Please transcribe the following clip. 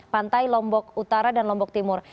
pantai lombok utara dan lombok timur